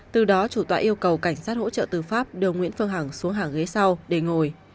từ đó chủ tọa yêu cầu cảnh sát hỗ trợ tư pháp đưa nguyễn phương hằng xuống hàng ghế sau để ngồi